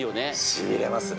しびれますね。